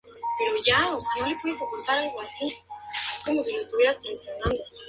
Cicerón entonces impulsó una ley prohibiendo maquinaciones de este tipo.